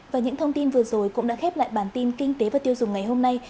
và những thông tin vừa rồi cũng đã khép lại bản tin kinh tế và tiêu dùng ngày hôm nay